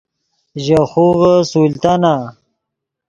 ژے خوغے سلطانہ